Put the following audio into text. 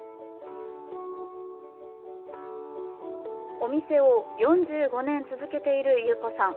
お店を４５年続けている裕子さん。